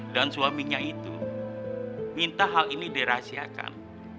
dan suaminya itu minta hal ini dirahasiakan